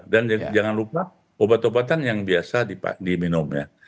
dan jangan lupa obat obatan yang biasa diminum ya